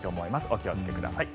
お気をつけください。